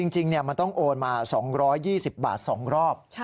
จริงมันต้องโอนมา๒๒๐บาท๒รอบ